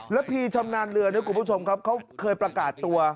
พีชำนาญเรือนะคุณผู้ชมครับเขาเคยประกาศตัว